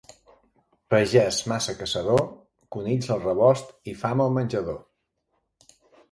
Pagès massa caçador, conills al rebost i fam al menjador.